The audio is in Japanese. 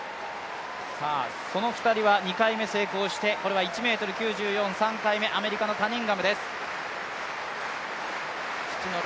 その２人は２回目成功して、これは１ｍ９４、３回目、アメリカのカニンガムです。